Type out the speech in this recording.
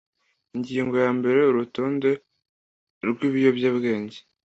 Ingingo yambere Urutonde rw ibiyobyabwenge